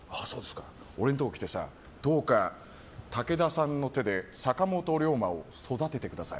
俺んとこ来てさどうか武田さんの手で坂本龍馬を育ててください。